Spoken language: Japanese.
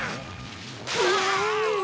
うわ！